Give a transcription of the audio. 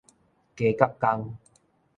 雞鵤公